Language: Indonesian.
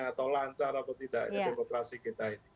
atau lancar atau tidaknya demokrasi kita ini